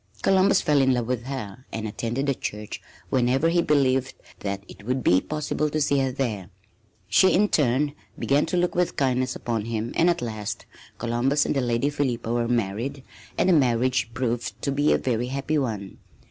Columbus fell in love with her and attended the church whenever he believed that it would be possible to see her there. She, in turn, began to look with kindness upon him and at last Columbus and the Lady Philippa were married and the marriage proved to be a very happy one.